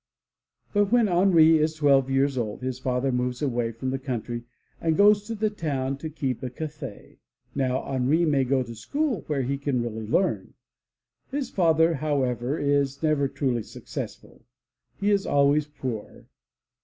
But when Henri is twelve years old his father moves away from the country and goes to the town to keep a cafe. Now 100 THE LATCH KEY Henri may go to school where he can really learn. His father, however, is never truly successful. He is always poor.